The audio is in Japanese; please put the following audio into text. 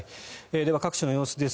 では、各地の様子です。